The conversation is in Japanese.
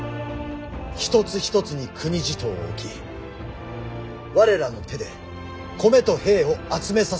一つ一つに国地頭を置き我らの手で米と兵を集めさせていただきまする。